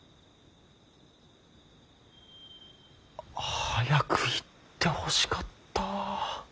早く言ってほしかった。